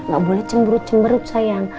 gak boleh cemburu cemberut sayang